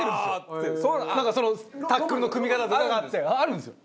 なんかそのタックルの組み方とかがあってあるんですよ。